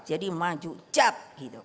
jadi maju cap